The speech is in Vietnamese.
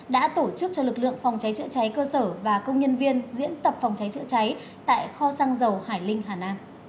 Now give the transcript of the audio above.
đã tổ chức cho lực lượng phòng cháy chữa cháy cơ sở và công nhân viên diễn tập phòng cháy chữa cháy tại kho sang dân